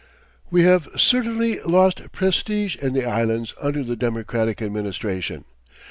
We have certainly lost prestige in the Islands under the Democratic Administration.